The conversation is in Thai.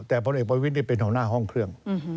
แต่เพราะเอกบริวิตเป็นหัวหน้าห้องเครื่อง